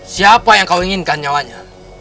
siapa yang kau inginkan nyawanya